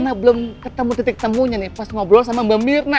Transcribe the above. karena belum ketemu titik temunya nih pas ngobrol sama mbak mirna